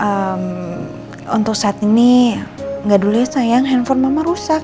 eh untuk saat ini gak dulu ya sayang handphone mama rusak